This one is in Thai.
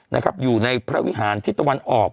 นะครับอยู่ในพระวิหารทิศตะวันออก